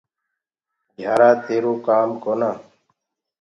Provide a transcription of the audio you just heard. گھيآرآ تيروُ ڪونآ۔